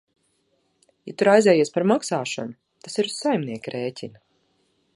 Ja tu raizējies par maksāšanu, tas ir uz saimnieka rēķina.